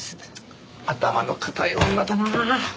頭の固い女だな！